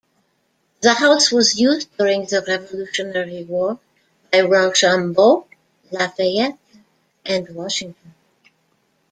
The house was used during the Revolutionary War by Rochambeau, Lafayette, and Washington.